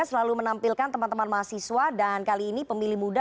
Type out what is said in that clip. selalu menampilkan teman teman mahasiswa dan kali ini pemilih muda